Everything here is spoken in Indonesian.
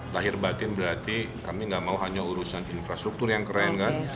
lahir batin berarti kami nggak mau hanya urusan infrastruktur yang keren kan